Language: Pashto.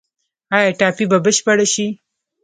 آیا ټاپي به بشپړه شي؟